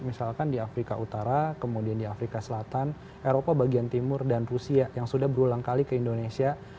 misalkan di afrika utara kemudian di afrika selatan eropa bagian timur dan rusia yang sudah berulang kali ke indonesia